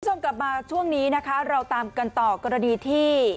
คุณผู้ชมกลับมาช่วงนี้นะคะเราตามกันต่อกรณีที่